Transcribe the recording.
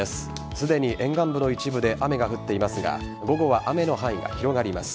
すでに沿岸部の一部で雨が降っていますが午後は雨の範囲が広がります。